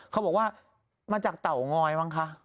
เขาบอกว่ามาจากเตางอยมั้งคะ